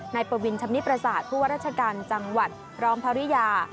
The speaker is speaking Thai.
ในประวินชมนิปราสาทพวกว่าราชการจังหวัดรองภรรยา